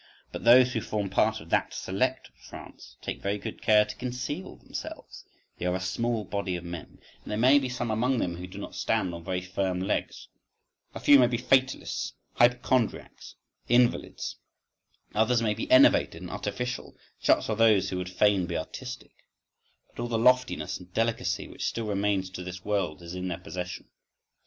… But those who form part of that select France take very good care to conceal themselves; they are a small body of men, and there may be some among them who do not stand on very firm legs—a few may be fatalists, hypochondriacs, invalids; others may be enervated, and artificial,—such are those who would fain be artistic,—but all the loftiness and delicacy which still remains to this world, is in their possession.